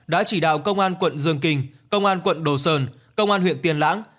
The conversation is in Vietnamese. đã chỉ đạo công an quận dương kinh công an quận đồ sơn công an huyện tiên lãng